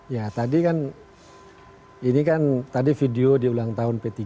ya tadi kan ini kan tadi video di ulang tahun p tiga